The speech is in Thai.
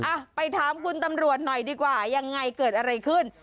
อ่ะไปถามคุณตำรวจหน่อยดีกว่ายังไงเกิดอะไรขึ้น